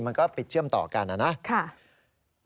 มันก็ปิดเชื่อมต่อกันนะครับ